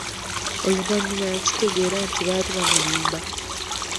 Oluvannyuma yakitegeera nti baali bamulimba.